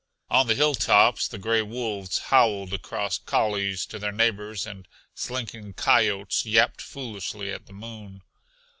On the hill tops the gray wolves howled across coulees to their neighbors, and slinking coyotes yapped foolishly at the moon.